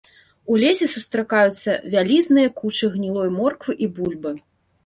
У лесе сустракаюцца вялізныя кучы гнілой морквы і бульбы.